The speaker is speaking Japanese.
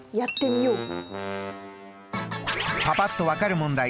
パパっと分かる問題